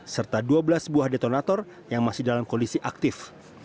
serta dua belas buah detonator yang masih dalam kondisi aktif